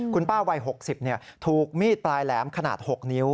คุณป้าวัย๖๐ถูกมีดปลายแหลมขนาด๖นิ้ว